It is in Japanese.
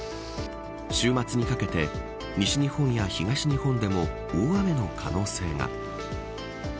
週末にかけて西日本や東日本でも大雨の可能性が。